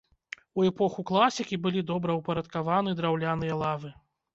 У эпоху класікі былі добраўпарадкаваны драўляныя лавы.